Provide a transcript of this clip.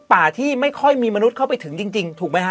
ป่าที่ไม่ค่อยมีมนุษย์เข้าไปถึงจริงถูกไหมฮะ